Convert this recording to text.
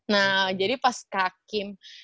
nah jadi pas kak kim